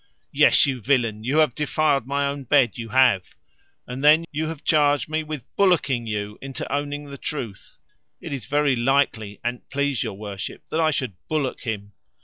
Yes, you villain, you have defiled my own bed, you have; and then you have charged me with bullocking you into owning the truth. It is very likely, an't please your worship, that I should bullock him?